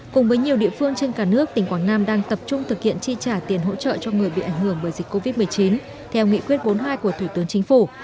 cùng với nhiều địa phương trên cả nước tỉnh quảng nam đang tập trung thực hiện chi trả tiền hỗ trợ cho người bị ảnh hưởng bởi dịch covid một mươi chín theo nghị quyết bốn mươi hai của thủ tướng chính phủ